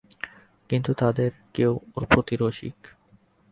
কিন্তু তাঁদের কেউ ওঁর প্রতি– রসিক।